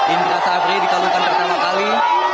indra safri dikalungkan pertama kali